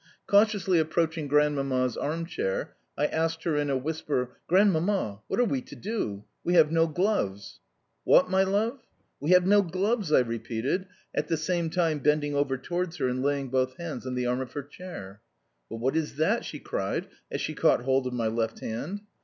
Cautiously approaching Grandmamma's arm chair, I asked her in a whisper: "Grandmamma, what are we to do? We have no gloves." "What, my love?" "We have no gloves," I repeated, at the same time bending over towards her and laying both hands on the arm of her chair. "But what is that?" she cried as she caught hold of my left hand.